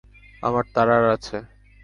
আমার তাড়ার আছে।